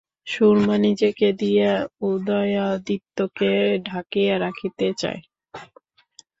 সুরমা নিজেকে দিয়া উদয়াদিত্যকে ঢাকিয়া রাখিতে চায়।